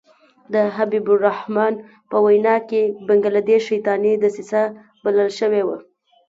د حبیب الرحمن په وینا کې بنګله دېش شیطاني دسیسه بلل شوې وه.